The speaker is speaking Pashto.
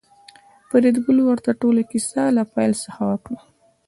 فریدګل ورته ټوله کیسه له پیل څخه وکړه